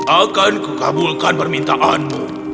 akanku kabulkan permintaanmu